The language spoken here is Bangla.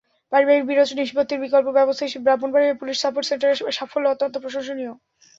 পারিবারিক বিরোধ নিষ্পত্তির বিকল্প ব্যবস্থা হিসেবে ব্রাহ্মণবাড়িয়ার পুলিশ সাপোর্ট সেন্টারের সাফল্য অত্যন্ত প্রশংসনীয়।